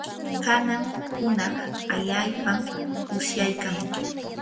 kanan hunaq allaapam usyaykan.